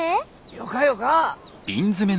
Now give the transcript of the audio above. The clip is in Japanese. よかよか。